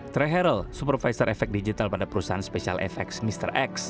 trey harrell supervisor efek digital pada perusahaan spesial efeks mr x